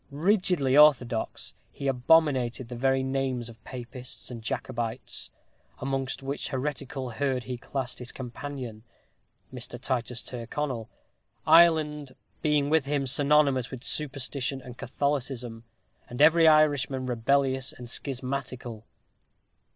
Rigidly orthodox, he abominated the very names of Papists and Jacobites, amongst which heretical herd he classed his companion, Mr. Titus Tyrconnel Ireland being with him synonymous with superstition and Catholicism and every Irishman rebellious and schismatical.